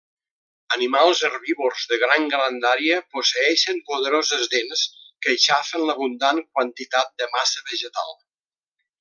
Animals herbívors de gran grandària posseeixen poderoses dents que aixafen l'abundant quantitat de massa vegetal.